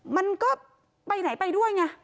มันก็ไปไหนไปด้วยไง